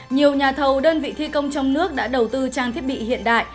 nhiều nhà thầu đơn vị thi công trong nước đã đầu tư trang thiết bị hiện đại